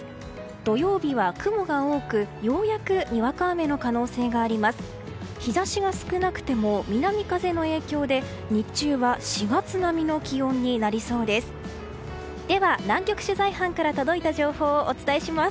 土曜日は雲が多くようやくにわか雨の可能性があります。